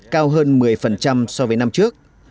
cao hơn một mươi so với năm trước